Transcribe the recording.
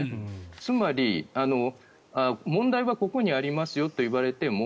つまり、問題はここにありますよと言われても